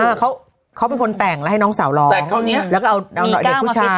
เออเขาเขาเป็นคนแต่งแล้วให้น้องสาวรอแต่งเท่านี้แล้วก็เอาหน่อยเด็กผู้ชาย